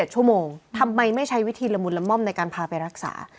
ชั่วโมงทำไมไม่ใช้วิธีละมุนละม่อมในการพาไปรักษา